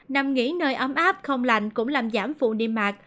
nằm nghỉ nơi ấm áp không lành cũng làm giảm phụ niêm mạc